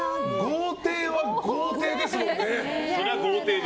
豪邸は豪邸ですもんね。